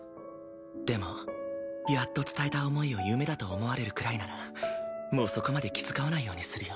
でもやっと伝えた思いを夢だと思われるくらいならもうそこまで気遣わないようにするよ。